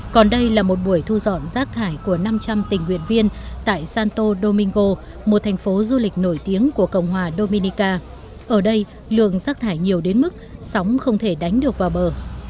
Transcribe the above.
còn đây là một buổi thu dọn rác thải của năm trăm linh tình nguyện viên tại santo domingo một thành phố du lịch nổi tiếng của cộng hòa dominica ở đây lượng rác thải nhiều đến mức sóng không thể đánh được vào bờ